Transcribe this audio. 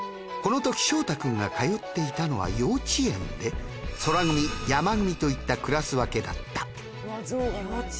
このとき翔太君が通っていたのは幼稚園でそら組やま組といったクラス分けだった。